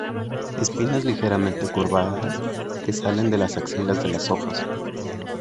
Espinas ligeramente curvadas, que salen de las axilas de las hojas.